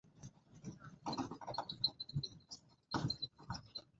Mtoto wa pili alikuwa wa kiume na allitwa Hlumelo